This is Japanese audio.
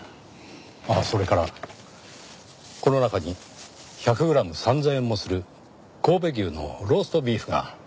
ああそれからこの中に１００グラム３０００円もする神戸牛のローストビーフが。